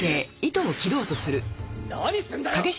何すんだよ！